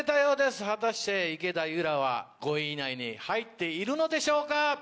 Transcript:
果たして池田裕楽は５位以内に入っているのでしょうか？